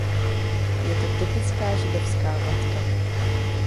Je to typická židovská matka.